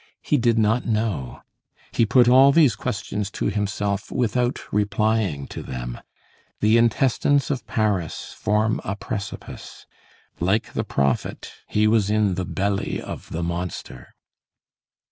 He did not know. He put all these questions to himself without replying to them. The intestines of Paris form a precipice. Like the prophet, he was in the belly of the monster.